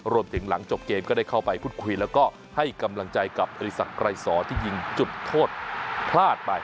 หลังจบเกมก็ได้เข้าไปพูดคุยแล้วก็ให้กำลังใจกับอริสักไกรสอที่ยิงจุดโทษพลาดไป